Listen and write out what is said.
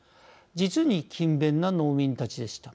実に勤勉な農民たちでした。